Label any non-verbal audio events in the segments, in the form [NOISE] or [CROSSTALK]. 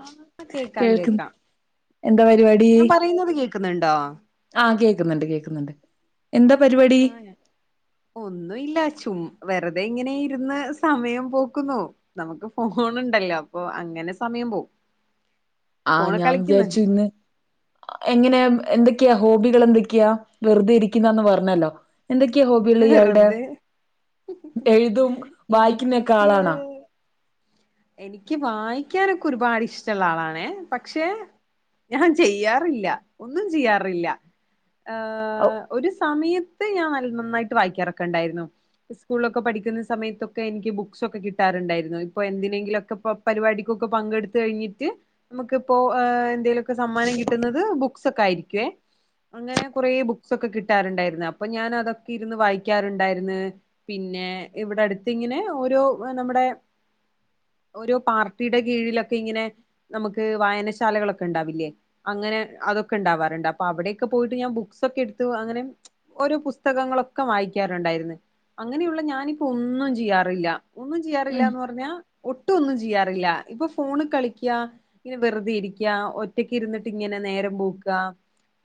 ആ കേക്കാം കേൾക്കും കേക്കാം എന്താ ഞാൻ പറയുന്നത് കേക്കുന്നുണ്ടോ ആഹ് കേക്കുന്നുണ്ട് കേക്കുന്നുണ്ട് എന്താ പരിപാടി ഒന്നുല്ല ചും വെറുതെ ഇങ്ങനെ ഇരുന്ന് സമയം പോക്കുന്നു നമുക്ക് ഫോണ ഉണ്ടല്ലോ അപ്പൊ അങ്ങനെ സമയം പോവും ആഹ് ഫോണ് ഞാൻ കളിക്കുന്ന് വിചാരിച്ചു ഇന്ന് എങ്ങനെ എന്തൊക്കെയാ ഹോബികൾ എന്തൊക്കെയാ വെറുതെ ഇരിക്കുന്നന്ന് പറഞ്ഞല്ലോ എന്തൊക്കെയ ഹോബിള്ള ഇയാളുടെ വെറുതെ എഴുതും വായിക്കുന്നതൊക്കെ എനിക്ക് ആളാണാ എനിക്ക് വായിക്കാനൊക്കെ ഒരുപാട് ഇഷ്ടള്ള ആളാണ് പക്ഷെ ഞാൻ ചെയ്യാറില്ല ഒന്നും ചെയ്യാറില്ല ഔ, ഏർഹ് ഒരു സമയത്ത് ഞാൻ നന്നായിട്ട് വായിക്ക റക്കണ്ടായിരുന്നു സ്കൂളിലൊക്കെ പഠിക്കുന്ന സമയത്തൊക്കെ എനിക്ക് ബുക്ക്സ് ഒക്കെ കിട്ടാറുണ്ടായിരുന്നു ഇപ്പൊ എന് എന്തെലൊക്കെ പരിപാടിക്കൊക്കെ പങ്കെടുത്ത കഴിഞ്ഞിട്ട് നമുക് ഇപ്പോ എന്തേ സമ്മാനം കിട്ടുന്നത് ബുക്സ് ഒക്കെ ആയിരിക്കുവേ അങ്ങനെ കുറേ ബുക്സ്ക്കെ കിട്ടാറുണ്ടായിരുന്നു അപ്പൊ ഞാൻ അതൊക്കെ ഇര്ന്ന് വായിക്കാറുണ്ടായിരുന്നു പിന്നെ ഇവിടെ അടുത്ത് ഇങ്ങനെ ഓരോ നമ്മുടെ ഓരോ പാർട്ടിയുടെ കീഴിലൊക്കെ ഇങ്ങനെ നമുക്ക് വായനശാലകളൊക്കെ ഉണ്ടാവില്ലേ അങ്ങനെ അതൊക്കെ ഉണ്ടാവാറുണ്ട് അപ്പൊ അവിടെയൊക്കെ പോയിട്ട് ഞാൻ ബുക്സക്കെ എടുത്തു അങ്ങനെ ഓരോ പുസ്തകങ്ങളൊക്കെ വായിക്കാറുണ്ടായിരുന്നു അങ്ങനെയുള്ള ഞാനിപ്പോ ഒന്നും ചെയ്യാറില്ല ഒന്നും ഉം ചെയ്യാറില്ലന്ന് പറഞ്ഞാ ഒട്ടും ഒന്നും ചെയ്യാറില്ല ഇപ്പൊ ഫോണ് കളിക്ക വെറുതെ ഇരിക്ക ഒറ്റക്ക ഇരുന്നിട്ട് ഇങ്ങനെ നേരം പോക്ക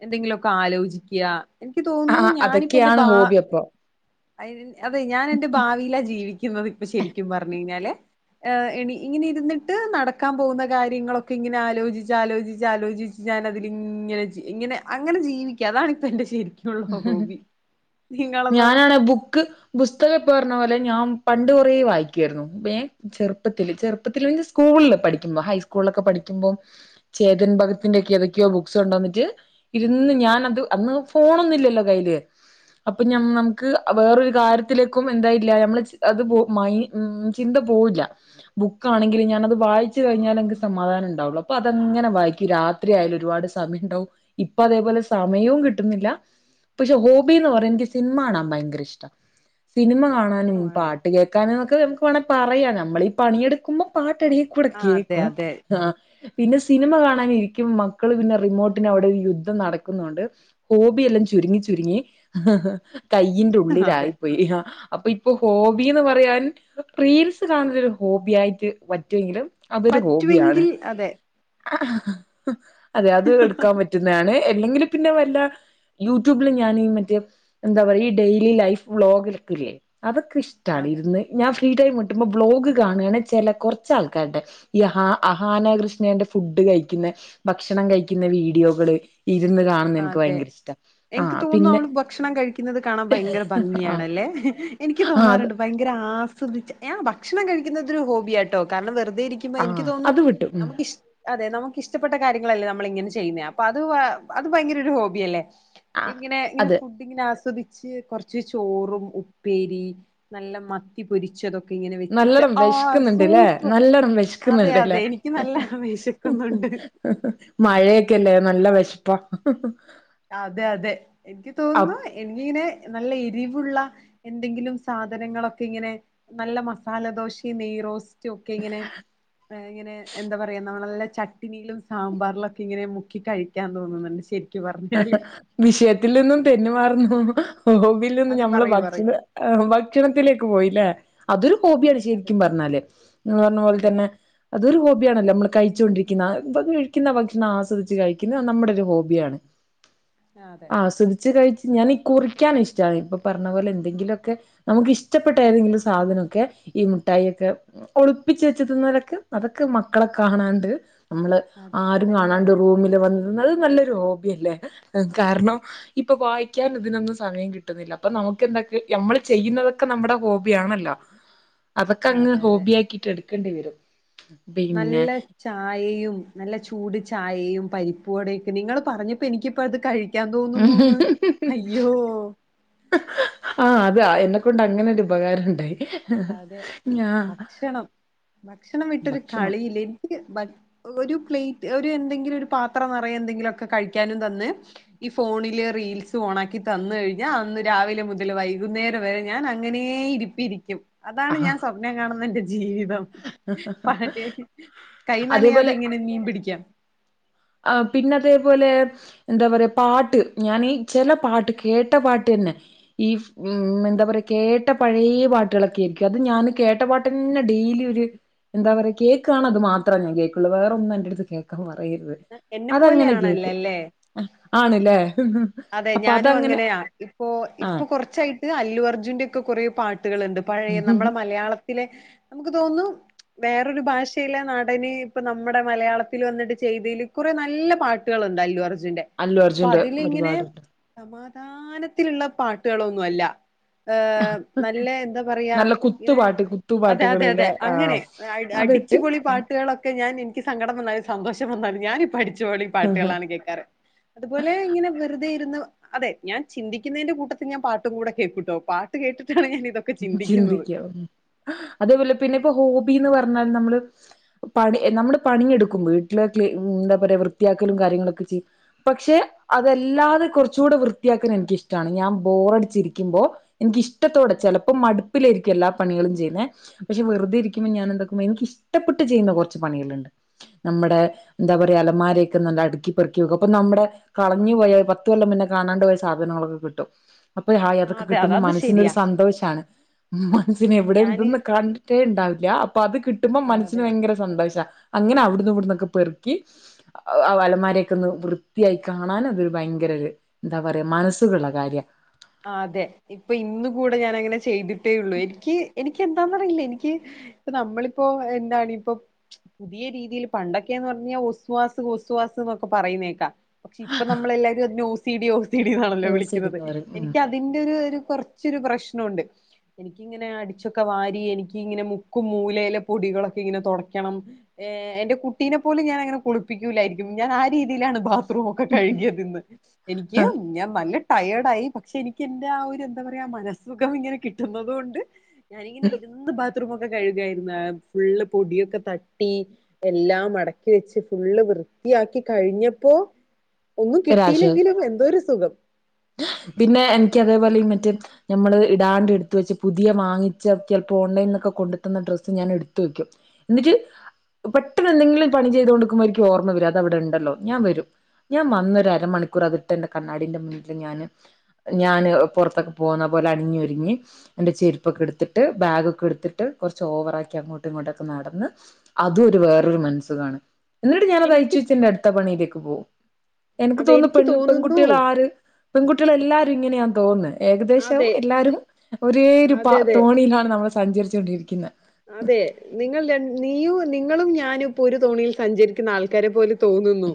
എന്തെങ്കിലുക്കെ ആലോചിക്ക എനിക്ക് ആ തോന്നുന്നു ഞാനിപ്പ ന്റെ അതൊക്കെയാണ് ബ ഹോബി അപ്പൊ അ അതെ ഞാൻ എന്റെ ഭാവിയിലാ ജീവിക്കുന്നത് ഇപ്പൊ ശരിക്കും പറഞ്ഞ കഴിഞ്ഞാല് എ എണീ ഇങ്ങനെ ഇരുന്നിട്ട് നടക്കാൻ പോകുന്ന കാര്യങ്ങളൊക്കെ ഇങ്ങനെ ആലോചിച്ച് ആലോചി ആലോചിച്ച് ഞാന അതിലിങ്ങനെ ഇങ്ങനെ അങ്ങനെ ജീവിക്കുക അതാണ്പ്പം എന്റെ ശരിക്കും ഉം ഞാനാണ് ബുക്ക് പുസ്തകം ഇപ്പ പറഞ്ഞ പോലെ ഞാൻ പണ്ട് കുറേ വായിക്കുയിരുന്നു ചെറുപ്പത്തിൽ ചെറുപ്പത്തില് മെൻ സ്കൂളിൽ പഠിക്കുമ്പോ ഹൈസ്കൂളിലൊക്കെ പഠിക്കുമ്പോം ചേതൻ ഭഗത്തിന്റെ ഒക്കെ ഏതൊക്കെയോ ബുക്സോ ഉണ്ടോ വന്നിട്ട് ഇരുന്ന് ഞാൻ അത് അന്ന് ഫോണന്നില്ലല്ലോ കയ്യില് അപ്പൊ നമുക്ക് വേറൊരു കാര്യത്തിലേക്കും എന്തായില്ല നമ്മള് അത് മയി ഉം ചിന്ത പോവല്ല ബുക്കാണെങ്കിൽ ഞാന അത് വായിച്ച് കഴിഞ്ഞാൽ എക്ക് സമാധാനം ഉണ്ടാവുള്ളു അപ്പൊ അതെങ്ങനെ വായിക്കും രാത് എ ആയാലും ഒരുപാട് സമയം ഉണ്ടാവും ഇപ്പൊ അതേപോലെ സമയവും കി കിട്ട് ന്നില്ല പക്ഷെ ഹോബിന്ന് പറഞ്ഞ എനിക്ക് സിനിമ കാണാൻ ഭയങ്കര ഇഷ്ട്ടാ സിനിമ കാണാനും ആണോ പാട്ട് കേൾക്കാനുംക്കെ നമുക്ക് വേണെങ്ക പറയാം നമ്മൾ ഈ പണിയെടുക്കുമ്പോ പാട്ട്ടി കുടെ ആ അതെ കേക്കും അതെ ആ പിന്നെ സിനിമ കാണാനിരിക്കും മക്കള് പിന്നെ റിമോട്ടന് അവിടെ ഒരു യുദ്ധം നടക്കുന്നുണ്ട് ഹോബിയെല്ലാം. ചുരുങ്ങി ചുരുങ്ങി കൈയിന്റെ അതെ ഉള്ളിലായി.. ഇ ഹ. അപ്പൊ ഇപ്പൊ ഹോബിന്ന് പറയാൻ.. പ്രീൽസ് കാണലൊരു. ഹോബി ആയിട്ട് വറ്റുവെങ്കിലും. അതൊരു ഹോബിയാണ്.. പറ്റുമെങ്കിൽ അതെ അ, ഹ്. അതെ അത് എടുക്കാൻ പറ്റുന്നണ്. അല്ലെങ്കിൽ. പിന്നെ വല്ല.. യൂട്യൂബില് ഞൻ മറ്റേ. എന്താ പറയ ഈ. ഡെയിലി. ലൈഫ് ബ്ളോഗില് ക്‌ല്ലേ അതൊക്കെ ഇഷ്.. ട്ടാണ്. അതെ ഇര്ന്ന് ഞാൻ ഫ്രീ ടൈം കിട്ടുമ്പോ ബ്ലോഗ് കാണ് ണ്. ചെല കൊർച്ച ആൾക്കാര്ടെ... ഈ അഹാ അഹാന കൃഷ്ണേന്റെ. ഫുഡ് കയിക്കിന്ന. ഭക്ഷണം കയിക്കി ന്ന. വീഡിയോകള്.. ഇര്ന്ന് കാണുന്ന എൻക്ക് ഭയങ്കര ഇ.. എൻക്ക് തോന്നു. അവള് ഭക്ഷണം കഴിക്കുന്നത്. കാണാൻ ഭയങ്കര പ ആഹ് ഗിയാണല്ലേ. എനിക്കി ആഹ് അത് തോന്നാറുണ്ട്.. ഭയര രാആസ്വദിച്ച്. യാൻ ഭക്ഷണം കഴിക്കുന്നത് ഒരു ഹോബിയാട്ടോ കാരണം വെറുതെയിരിക് ഇൻപ. എനിക്ക് ആഹ് തോന്നു. അത് വിട്ടു ഉം നമുക്ക് ഇഷ് അതെ നമുക്ക് ഇഷ്ടപ്പെട്ട. കാര്യങ്ങളല്ലേ നമ്മൾ ഇങ്ങനെ ചെയ്യുന്നേ. അപ്പൊ അത് വ. അത് ഭയങ്കര ഒരു ഹോബിയല്ലേ.. ആഹ് ഇങ്ങനെ ഇങ്ങനെ. അതെ ഫുഡ് ഇങ്ങനെ ആസ്വദിച്ച്. കൊറച്ച് ചോറും ഉപ്പേരി നല്ല മത്തി പൊരിച്ചതൊ ക്കിഇങ്ങനെ വെച്ചിട്ട് നല്ലണം ആ. വിശക്കുന്നുണ്ട്ല്ലേ സൂപ്പ്. നല്ലണം അതെ അതെ വിശക്കുന്നുണ്ട്ല്ലേ എനിക്ക് നല്ല വെശക്കന്നുണ്ട്.. ഹ്ഹ്. മഴയൊക്കെല്ലേ. നല്ല. വെഷ്പ്പാ. ഹ്ഹ്. അതെ അതെ എൻക്ക് തോന്നു.. എങ്ങിനെ. നല്ല എരിവുള്ള എന്തെങ്കിലും സാധനങ്ങളൊക്കെ. ഇങ്ങനെ.. നല്ല മസാലദോഷിം. നെയ്റോസ്.. റ്റ് ഒക്കെ ഇങ്ങനെ. ഇങ്ങനെ. എന്താ പറയാ. നല്ലച ട്ട്നിയിലും. സാമ്പാർലൊക്കെ ഇങ്ങനെ. മുക്കി കഴിക്കാൻ തോന്നുന്നുണ്ട് ശരിക് പർ ഹ്ഹ്. വിഷയത്തിൽ നിന്നും. തെന്നി മാറുന്നു. ഹോബിൽ നിന്നും അതെ ഞമ്മള് പറയൂ പറയൂ ഭക്ഷണ.. ആവ്. ഭക്ഷണത്തിലേക്ക് പോയിലേ.. അതൊരു. ഹോബിയാണ് അതെ ശരിക്കും പറഞ്ഞാല്. ന്നി പറഞ്ഞ അതെ പോൽതന്നെ.. അതൊരു ഹോബിയാണല്ലോ. നമ്മൾ കഴിച്ചോണ്ടിക്കിന്ന. ക്കുന്ന ഭക്ഷണം. ആസ്വദിച്ച് കഴിക്കിന്ന. നമ്മടെ ഒരു ഹോബിയാണ്.. ആതെ.. ആസ്വദിച്ച് കഴിച്ച് ഞാനീ. കുറിക്കാൻ ഇഷ്ടണ്. ഇപ്പപറഞ്ഞ പോലെ എന്തെങ്കിലുക്കെ.. നമുക്ക് ഇഷ്ടപ്പെട്ട ഏതെങ്കിലും. സാധനൊക്കെ. ഈ മുഠായിക്കെ.. ഒളിപ്പിച്ച് വെച്ചി തിന്നനൊക്കെ. അതൊക്കെ മക്കളെ കാണാണ്ട്.. നമ്മള് അതെ ആരും നല്ല കാണാണ്ട്. രുറൂമില് വന്ന് നല്ല നല്ല ഹോബിയല്ലേ. കാരണം.. ഇപ്പൊ വായിക്കാൻ ഇതിനൊന്നും സമയം കിട്ടുന്നില്ല. അപ്പൊ നമുക്ക് എന്താക്കി. നമ്മൾ ചെയ്യുന്നതൊക്കെ നമ്മടെ ഹോബിയാണല്ലോ. [INAUDIBLE] അതൊക്കെ അങ്ങ്. അതെ അതെ ഹോബി ആക്കിട്ട്. എടുക്കണ്ടി വെരും.. നല്ല.. ചായയും നല്ല ചൂട് ചായയും പരിപ്പടെയൊക്കെ. നിങ്ങൾ പറഞ്ഞപ്പോ എനിക്കിപ്പ. അത് കഴി ക്യാൻ തോന്നുന്നുന്ന്. അയ്യോ.. ഹ് ആഹ അതാ. എന്നെക്കൊണ്ട്. അങ്ങനൊരു. ഉപകാരണ്ടായി. ഹ്.. അതെ ഭക്ഷണം. ഭക്ഷണം വിട്ടൊരു ഭക്ഷണം കളിയില്ലേൻ.. നിക്ക്. ഭ. ഒരു പ്ലേറ്റ് ഒരു എന്തെങ്കിലുരു. പാത്രനറയെ. എന്തെങ്കിലുക്കെ. കഴിക്യ നും തന്ന്.. ഈ ഫോണില് റീൽസ് ഓണാക്കി. തന്ന് ഴിഞ്ഞാ അന്ന് രാവിലെ മുതല്. വൈകുന്നേരം വരെ ഞാൻ അങ്ങനെ ഇരിപ് പ്പിരിക്യും. അതാണ് ആഹ് ഞാൻ സ്വപ്നം കാണുന്ന. ന്റെ ജീവിതം.. പാറ്റെ. കൈ അതേപോലെ നനയാതെങ്ങനെ. മീമ് പിടിക്കാം.. ആ പിന്നെ അതേപോലെ.. എന്താ പറയാ. പാട്ട് ഞാനീ. ചെല. പാട്ട് കേട്ട പാട്ട്ന്നെ ഈഫ്.. മ്മ്ഹ്. എന്താ പറയാ കേട്ട പഴയെ. പാട്ടുളൊക്കെ കേക്ക. അത് ഞാന് കേട്ട പാട്ട്ന്നെ. ഡെയിലി ഒര്.. എന്താ പറയ. കേക്കാണ് അത് മാത്രം. ഞാൻ കേക്കുള്ളൂ. വേറൊന്നും എന്റെറടുത്ത്. കേക്കാ പറയരുത്.. എന്നെ അതങ്ങനെ പോലെയാണല്ലോ കേക്കും. അല്ലേ അ ആണ്ലേ ഹ്ഹ്.. അതെ ഞാനു അങ്ങനെയാ. ഇപ്പൊ ഇപ്പൊ ആഹ് കൊറച്ചായിട്ട്. അല്ലു അർജുന്റെ ഒക്കെ കൊറേ പാട്ട്കള്ണ്ട്.. പഴയ നമ്മളുടെ മലയാളത്തിലെ നമുക്ക് തോന്നുന്നു. വേറൊരു ഭാഷയിലെ നടന് ഇപ്പൊ നമ്മുടെ മലയാളത്തിലവന്നിട്ട് ചെയ്തതിൽ കുറെ നല്ല പാട്ട്. ട്ടുകളുണ്ട്അല്ലുഅർജുന്റെ. അല്ലു അർജുൻ്റെ ഒരുപാടുണ്ട്. സമാധാനത്തിലുള്ള പാട്ടുകളൊന്നും അല്ല. ഏഹ് നല്ല എന്താ പറയാ നല്ല ഇങ്ങനെ കുത്തുപാട്ട് അതെ അതെ അതെ കുത്തുപാട്ടുകളിലെ അങ്ങനെ. ആഹ് അതിട്ട് അടിച്ചുപൊളി പാട്ട് പാട്ടുകളൊക്കെ ഞാൻ എനിക്ക് സങ്കടം വന്നാലും സന്തോഷം വന്നാലും ഞാനീ പഠിച്ച പൊളി പാട്ടുകളാണ് കേൾക്കാറ്. അതുപോലെ ഇങ്ങനെ. വെറുതെ ഇരുന്നു അതെ ഞാൻ ചിന്തിക്കുന്നതിന്റെ കൂട്ടത്തിൽ ഞാൻ പാട്ടും കൂടെ കേൾക്കുട്ട പാട്ട് കേട്ടിട്ടാണ് ഞാനി. ചിന്തിക്കുക അതേപോലെ പിന്നെ ഇപ്പ ഹോബിന്ന് പറഞ്ഞാൽ നമ്മള്. പണി നമ്മള് പണിയെടുക്കുമ്പോ വീട്ടില് എന്താ പറയാ വൃത്തിയാക്കലും കാര്യങ്ങളൊക്കെ ചെയ്യും. പക്ഷെ അതല്ലാതെ കുറച്ചുകൂടെ വൃത്തിയാക്കാൻ എനിക്കിഷ്ടമാണ് ഞാൻ ബോറടിച്ചിരിക്കുമ്പോൾ. എനിക്ക് ഇഷ്ടത്തോടെ ചിലപ്പോ മടുപ്പിലായിരിക്കും എല്ലാ പണികളും ചെയ്യുന്നെ. പക്ഷെ വെറുതെ ഇരിക്കുമ്പോം ഞാൻ എന്തൊക്ക എനിക്കിഷ്ടപ്പെട്ട് ചെയ്യുന്ന കുറച്ച് പണികളുണ്ട് നമ്മുടെ. എന്താ പറയാ അലമാരൊക്കെ നല്ല അടുക്കി പെറുക്കിക്ക അപ്പൊ നമ്മുടെ. കളഞ്ഞു പോയാ പത്ത് കൊല്ലം മുന്നെ കാണാണ്ട് പോയ സാധനങ്ങളൊക്കെ കിട്ടും. അപ്പൊ ഹായ് ആ അതൊക്കെ അതെ അത കിട്ടുമ്പോ അത് മനസ്സിന്റെ ഒരു ശരിയാ സന്തോഷമാണ്. മനസ്സിനെവിടെ ഞാന് ഇന്തന്ന് കണ്ടിട്ടേ ഉണ്ടാവില്ല അപ്പൊ അത് കിട്ടുമ്പോ മനസ്സിന് അതെ ഭയങ്കര. സന്തോഷ അങ്ങനെ അവിടന്ന് ഇവിടുന്നൊക്കെ പെറുക്കി. ആ അലമാരൊക്കെ ഒന്ന് വൃത്തിയായി കാണാനതൊരു ഭയങ്കര ഒരു. എന്താ പറയയാ മനസ്സുകുള്ള കാര്യ. ആ അതെ ഇപ്പൊ ഇന്ന് കൂടെ ഞാൻ അങ്ങനെ ചെയ്തിട്ടേ ഉള്ളു എനിക്ക് എനിക്ക്. ന്നറിയില്ല എനിക്ക് ഇപ്പ നമ്മളിപ്പോ എന്താണ് ഇപ്പൊ. ഈ രീതിയിൽ പണ്ടൊക്കെന്ന് പറഞ്ഞാ ഒസ്വാസ് ഒസ്വാസ് എന്നൊക്കെ പറയുന്നേക്കാ. പക്ഷെ ഇപ്പ നമ്മളെല്ലാരും അതിന് ഓസിടി ഓസിടിന്നാണല്ലോ വിളിക്കുന്നത്. ഓസിടുന്നവര് ഉം എനിക്ക് അതിന്റെ ഒരു കുറച്ചരു പ്രശ്നുണ്ട്. എനിക്കിങ്ങനെ അടിച്ചൊക്കെ വാരി എനിക്ക്ങ്ങനെ മുക്കും മൂലയിലെ പൊടികളൊക്കെ ഇങ്ങനെ തുടക്കണം. ഏ എന്റെ കുട്ടീനെ പോലും ഞാൻ അങ്ങനെ കുളിപ്പിക്കൂല്ലായിരിക്കും ഞാൻ ആ രീതിയിലാണ് ഭാ. ഒക്കെ കഴുകിയതിന്ന് എനിക്ക് ഞാൻ നല്ല ടയേർഡായി. പക്ഷെ എനിക്ക് എന്റെ ആ ഒരു എന്താ പറയാ മനസ്സുഖം ഇങ്ങനെ കിട്ടുന്നതുകൊണ്ട് ഞാനിങ്ങനെ ഇരുന്ന്. ബാത്രുമൊക്കെ കഴുകായിരുന് ഫുള്ള് പൊടിയൊക്കെ തട്ടി. എല്ലാം അടക്കി വെച്ച് ഫുള്ള് വൃത്തിയാക്കി കഴിഞ്ഞപ്പോ. ഒന്നും ഒരാശ്വാ കിട്ടിയില്ലെങ്കിലും എന്തോ ഒരു സുഖം. പിന്നെ എനിക്ക് അതേപോലെ മറ്റേ. ഞമ്മള് ഇടാണ്ട് എടുത് വെച്ച പുതിയ വാങ്ങിച്ച ചിലപ്പോ ഓൺലൈനിൽ നൊക്കെ കൊണ്ടുത്തന്ന ഡ്രസ്സ് ഞാൻ എടുത് വെക്കും. എന്നിട്ട്. പെട്ടന്ന് എന്തെങ്കിലും പണി ചെയ്തോണ്ട്ക്കുമ്പോളായിരിക്കും ഓർമ്മ വര അത് അവിടെണ്ടല്ലോന് ഞാൻവരും ഞാൻ. വന്നൊരരമണിക്കൂർ അതിട്ട് എന്റെ കണ്ണാടിന്റെ മുന്നിൽ ഞാന്. ഞാന് പുറത്തൊക്കെ പോകുന്ന പോലെ അണിഞ്ഞൊരുങ്ങി. എന്റെ ചെരുപ്പൊക്കെ എടുത്തിട്ട് ബാഗൊക്കെ എടുത്തിട്ട് കുറച്ച് ഓവറാക്കി അങ്ങോട്ടും ഇങ്ങോട്ടൊക്കെ നടന്ന്. അതും ഒരു വേറൊരു മനസുകാണ് എന്നിട്ട് ഞാനത് എനിക്ക് അയിച് വെച് എന്റെ അടുത്ത പണിയിലേക്ക് പോവും. എനിക്ക് അതെ തോന്നുന്നു പെൺ തോന്നുന്നു പെൺകുട്ടികൾ ആര് പെൺകുട്ടികൾ എല്ലാരും ഇങ്ങനെയാന്ന്‌ തോന്നുന്ന്‌ ഏകദേശം അതെ എല്ലാരും ഒരേ ഒരു അതെ പ അതെ തോണിയിലാണ് നമ്മള് സഞ്ചരിച്ച് കൊണ്ടിരിക്കുന്നത്. അതെ നിങ്ങളും ര നീയും നിങ്ങളും ഞാനും ഇപ്പോ ഒരു തോണിയിൽ സഞ്ചരിക്കുന്ന ആൾക്കാരെ പോലെ തോന്നുന്നു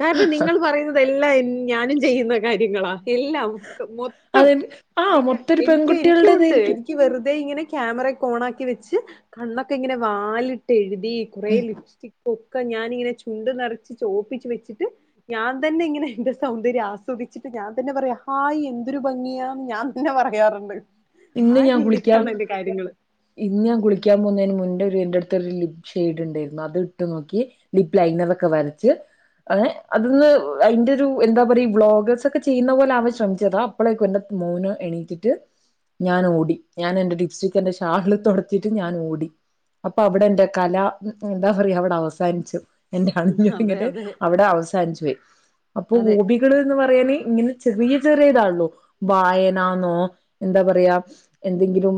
കാരണം നിങ്ങള് പറയുന്നത് എല്ലാം ഞാനും ചെയ്യുന്ന കാര്യങ്ങളാ എല്ലാം മൊത്തം അത് ആ നിങ്ങ മൊത്തം ഒരു എനിക്ക് എനിക്കുമുണ്ട് പെൺകുട്ടികളുടേതായിരിക്കും വെറുതെ ഇങ്ങനെ ക്യാമറയൊക്കെ ഓണാക്കി വെച്ച് കണ്ണൊക്കെ ഇങ്ങനെ വാലിട്ട് എഴു തി കുറേ ലിപ്സ്റ്റിക് ഒക്കെ ഞാനിങ്ങനെ ചുണ്ട് നിറച്ച് ചോപ്പിച്ച് വെച്ചിട്ട് ഞാൻ തന്നെ ഇങ്ങനെ എന്റെ സൗന്ദര്യം ആസ്വദിച്ചിട്ട് ഞാൻ തന്നെ പറയുവാ ഹായ് എന്തൊരു ഭംഗിയാ ഞാൻ തന്നെ പറയാറുണ്ട് ആ ഇന്ന് ഞാൻ കുളിക്കാം രീതിക്കാണ് എന്റെ കാര്യങ്ങള് ഇന്ന് ഞാൻ കുളിക്കാൻ പോകുന്നതിന് മുൻപേ ഒരു എന്റെ എടുത്തൊരു ലിപ് ഷെയ്ഡ് ഉണ്ടായിരുന്നു അത് ഇട്ട് നോക്കി ലിപ് ലൈനറൊക്കെ വരച്ച് അതെ അതൊന്ന് അയിന്റെ ഒരു എന്താ പറയാ ഈ ബ്ളോഗേഴ്സ് ഒക്കെ ചെയ്യുന്ന പോലെ അവാൻ ശ്രമിച്ചതാ അപ്പളേക്ക് എന്റെ മോന് എണീറ്റിട്ട് ഞാൻ ഓടി ഞാൻ എന്റെ ലിപ്സ്റ്റിക് എന്റെ ഷാളിൽ തുടച്ചിട്ട് ഞാൻ ഓടി അപ്പൊ അവിടെ എന്റെ കല എന്താ പറയാ അവിടെ അവസാനിച്ചു എന്റെ അതെ അണിഞ്ഞൊരുങ്ങല് അതെ അവിടെ അവസാനിച്ചു പോയി അപ്പൊ അതെ ഹോബി കള് എന്ന് പറയന് ഇങ്ങനെ ചെറിയ ചെറിയതേ ഉള്ളൂ വായനാന്നോ എന്താ പറയാ എന്തെങ്കിലും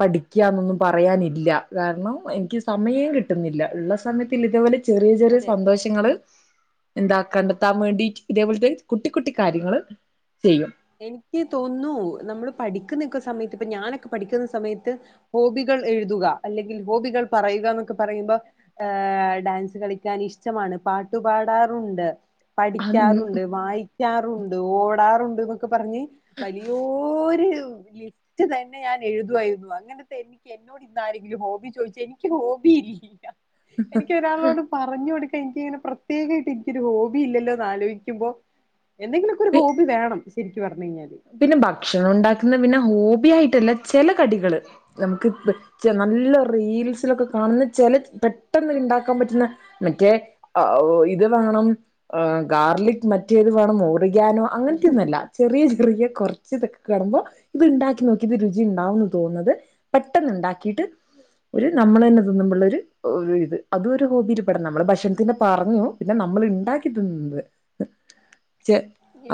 പഠിക്കുകാന്നൊന്നും പറയാനില്ല കാരണം എനിക്ക് സമയം കി ട്ടുന്നില്ല ഉള്ള സമയത്ത്‌ ഇതേ പോലെ ചെറിയ ചെറിയ അതെ സന്തോഷം റ്റങ്ങള് എന്താ കണ്ടെത്താൻ വേണ്ടി ഇതേപോലത്തെ കുട്ടി കുട്ടി കാര്യങ്ങള് ചെയ്യും എനിക്ക് തോന്നുന്നു നമ്മള് പഠിക്കുന്നൊക്കെ സമയത്ത് ഇപ്പൊ ഞാനൊക്കെ പഠിക്കുന്ന സമയത്ത് ഹോബികൾ എഴുതുക അല്ലെങ്കിൽ ഹോബികൾ പറയുക എന്നൊക്കെ പറയുമ്പോ ഏഹ് ഡാൻസ് കളിക്കാൻ ഇഷ്ടമാണ് പാട്ടു പാടാറുണ്ട് അന്ന് പഠിക്കാറുണ്ട് വായിക്കാറുണ്ട് ഓടാറുണ്ടൊ ന്നൊക്കെ പറഞ്ഞ് വലിയോരു [UNINTELLIGIBLE] തന്നെ ഞാൻ എഴുതുവായിരുന്നു അങ്ങനത്തെ എനിക്ക് എന്നോ ട് ഇന്ന് ആരെങ്കിലും ഹോബി ചോദിച്ചാ എനിക്ക് ഹോബി ഇല്ല എനിക്ക് ഒരാളോട് പറഞ്ഞ് കൊടുക്കാൻ എനിക്ക് ഇങ്ങനെ പ്രത്യേകമായിട്ട് എനിക്കൊരു ഹോബി ഇല്ലല്ലോന്ന് ആലോചിക്കുമ്പോ ആലോചിക്കുമ്പോ എന്തെങ്കിലുമൊക്കെ ഒരു ഹോബി വേണം ശരിക്ക് പറഞ്ഞു കഴിഞ്ഞാല് പിന്നെ ഭക്ഷണം ഉണ്ടാക്കുന്നത് പിന്നെ ഹോബി ആയിട്ടല്ല ചില കടികള് നമുക്ക് നല്ല റീൽസിലൊക്കെ കാണുന്ന ചില പെട്ടെന്ന് ഇണ്ടാക്കാൻ പറ്റുന്ന മറ്റേ ഇത് വാങ്ങണം ഗാർലിക് മറ്റേത് വേണം [UNINTELLIGIBLE] അങ്ങനത്തെ ഒന്നുമല്ല ചെറിയ റിയ കുറച്ച് ഇതൊക്കെ കാണുമ്പോ ഇത് ഇണ്ടാക്കി നോക്കി ഇത് രുചി ഉണ്ടാവുമെന്ന് തോന്നുന്നത് പെട്ടെന്ന് ഉണ്ടാക്കിട്ട് ഒരു നമ്മള് തന്നെ തിന്നുമ്പോ ഉള്ളൊരു ഇത് അതും ഒരു ഹോബിയിൽ പെടണം നമ്മള് ഭക്ഷണത്തിന്റെ പറഞ്ഞു പിന്നെ നമ്മൾ ഉണ്ടാക്കി തിന്നുന്നത്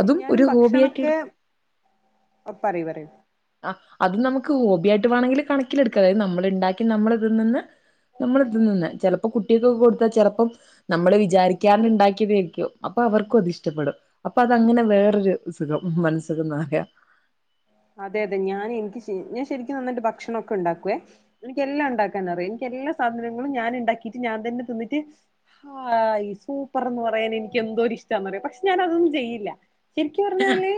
അതും ഞാനും ഒരു ഹോബിയായിട്ട് ഭക്ഷണവൊക്കെ ആ പറയു പറയു ആഹ് അത് നമുക്ക് ഹോബിയായിട്ട് വേണങ്കില് കണക്കിലെടുക്കാം. അതായത് നമ്മള് ഉണ്ടാക്കി നമ്മള് തിന്നുന്ന നമ്മള് തിന്നുന്ന ചിലപ്പോ കുട്ടികൾക്കൊക്കെ കൊടുത്താ ചെലപ്പം നമ്മള് വിചാരിക്കാതെ ഉണ്ടാക്കി കഴിക്കും അപ്പൊ അവർക്കും അത് ഇഷ്ടപ്പെടും അപ്പൊ അതങ്ങനെ വേറൊരു സുഖം മനസ്സുഖം എന്നാ പറയുവാ അതെ അതെ ഞാൻ എനിക്ക് ഞാൻ ശരിക്കും നന്നായിട്ട് ഭക്ഷണൊക്കെ ഉണ്ടാക്കുവേ എനിക്ക് എല്ലാം ഉണ്ടാക്കാൻ അറിയാം എനിക്ക് എല്ലാ സാധനങ്ങളും ഞാൻ ഉണ്ടാക്കിട്ട് ഞാൻ തന്നെ തിന്നിട്ട് ഹായ് സൂപ്പർ എന്ന് പറയാൻ എനിക്ക് എന്തോ ഒരു ഇഷ്ടാന്ന് അറിയോ പക്ഷെ ഞാൻ അതൊന്നും ചെയ്യില്ല ശരിക്കി പറഞ്ഞാല്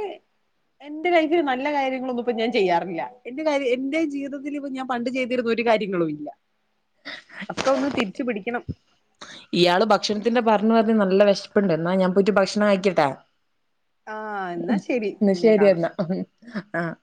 എന്റെ ലൈഫില് നല്ല കാര്യ ങ്ങളൊന്നും ഇപ്പം ഞാൻ ചെയ്യാറില്ല. എന്റെ കാര്യ എന്റെ ജീവിതത്തിൽ ഇപ്പം ഞാൻ പണ്ട് ചെയ്തിരുന്ന ഒരു കാര്യങ്ങളും ഇല്ല. അക്ക ഒന്ന് തിരിച്ചു പിടിക്കണം. ഇയാള് ഭക്ഷണത്തിന്റെ പറഞ്ഞു പറഞ്ഞ് നല്ല വെഷപ്പ്ണ്ട്. എന്നാ ഞാൻ പോയിട്ട് ഭക്ഷണം കഴിക്കട്ടെ? ആ എന്നാ ഉം ശരി ഇന്നാ പിന്നെ കാണാം ശരിയെന്നാ ആഹ്